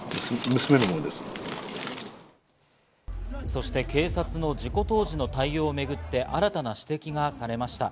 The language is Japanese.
そして警察の事故当時の対応をめぐって新たな指摘がされました。